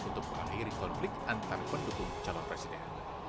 untuk mengakhiri konflik antar pendukung calon presiden